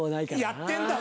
やってんだ！